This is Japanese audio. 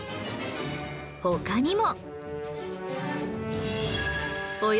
他にも